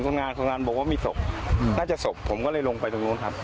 เออใช่จริงเลยเหมือนคนเพราะมัดสิบเปราะเพ้อเหมือนคน